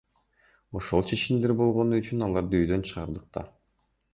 Ошол чечимдер болгону үчүн аларды үйдөн чыгардык да.